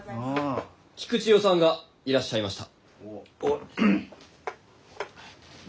菊千代さんがいらっしゃいました。